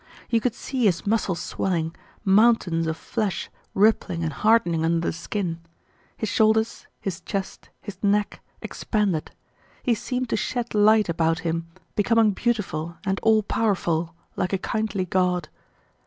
You could see his muscles swelling, mountains of flesh rippling and hardening under the skin; his shoulders, his chest, his neck expanded; he seemed to shed light about him, becoming beautiful and all powerful like a kindly god.